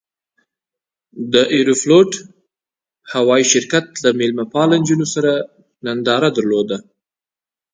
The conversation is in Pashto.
د ایروفلوټ هوایي شرکت له میلمه پالو نجونو سره بنډار درلود.